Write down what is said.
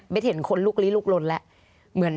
เห็นคนลุกลี้ลุกลนแล้ว